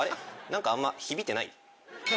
何かあんま響いてない？